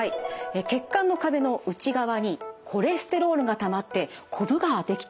血管の壁の内側にコレステロールがたまってこぶができていますよね。